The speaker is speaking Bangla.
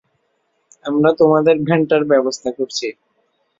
আমরা তোমাদের ভ্যানটার ব্যবস্থা করছি।